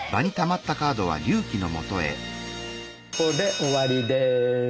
これで終わりです。